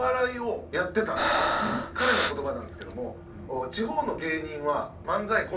彼の言葉なんですけども地方の芸人は漫才コント